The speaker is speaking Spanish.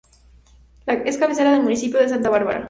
Es cabecera del Municipio de Santa Bárbara.